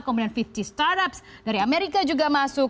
kemudian lima puluh startups dari amerika juga masuk